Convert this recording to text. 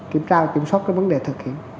kiểm tra kiểm soát cái vấn đề thực hiện